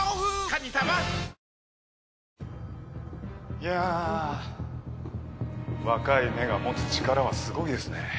いやぁ若い芽が持つ力はすごいですね。